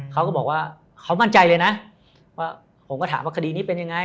เขาก็บอกว่าเขามั่นใจเลยนะว่าผมก็ถามว่าคดีนี้เป็นยังไง